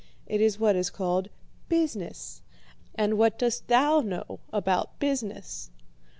It is what is called "business," and what dost thou know about business?'